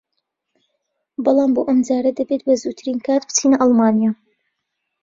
بەڵام بۆ ئەمجارە دەبێت بەزووترین کات بچینە ئەڵمانیا